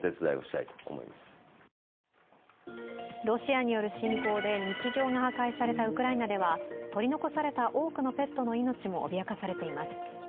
ロシアによる侵攻で日常が破壊されたウクライナでは、取り残された多くのペットの命も脅かされています。